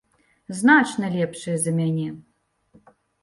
Значна лепшыя за мяне.